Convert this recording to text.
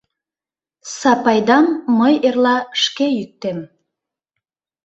Сапайдам мый эрла шке йӱктем.